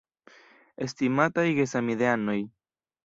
Estimataj gesamideanoj!